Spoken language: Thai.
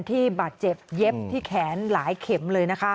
ที่บาดเจ็บเย็บที่แขนหลายเข็มเลยนะคะ